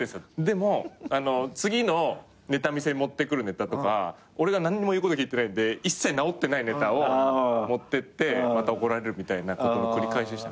でも次のネタ見せに持ってくるネタとか俺が何にも言うこと聞いてないんで一切直ってないネタを持ってってまた怒られるみたいなことの繰り返しでした。